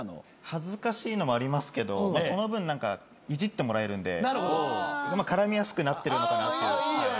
恥ずかしいのもありますけどその分いじってもらえるんで絡みやすくなってるのかなっていう。